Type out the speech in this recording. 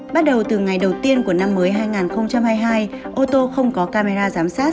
bắt đầu từ ngày đầu tiên của năm mới hai nghìn hai mươi hai ô tô không có camera giám sát